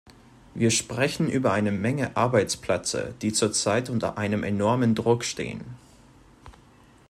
Wir sprechen über eine Menge Arbeitsplätze, die zurzeit unter einem enormem Druck stehen.